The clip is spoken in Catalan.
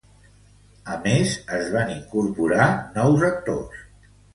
A més, es van incorporar nous actors.